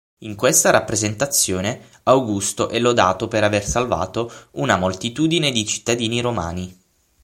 In questa rappresentazione Augusto è lodato per aver salvato una moltitudine di cittadini romani.